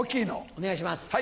お願いします。